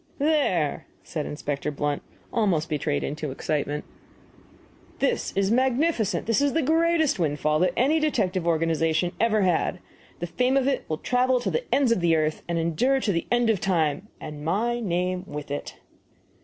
"There!" said Inspector Blunt, almost betrayed into excitement, "this is magnificent! This is the greatest windfall that any detective organization ever had. The fame of it will travel to the ends of the earth, and endure to the end of time, and my name with it."